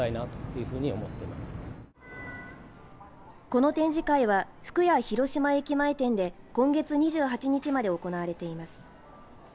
この展示会は、福屋広島駅前店で今月２８日まで行われています。